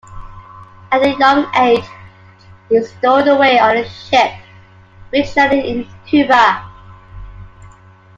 At a young age he stowed away on a ship which landed in Cuba.